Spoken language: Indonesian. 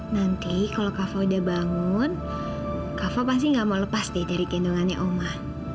nanti kalau kafa udah bangun kafa pasti nggak mau lepas deh dari gendungannya oma